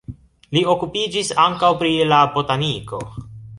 Li okupiĝis ankaŭ pri la botaniko.